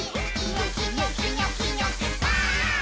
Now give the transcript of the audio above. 「ニョキニョキニョキニョキバーン！」